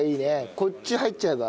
こっち入っちゃえば？